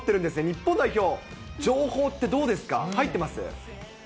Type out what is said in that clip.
日本代表、情報ってどうですか、入ってます？